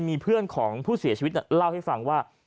มีเพื่อนของผู้เสียชีวิตเล่าให้ฟังว่า